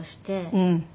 うん。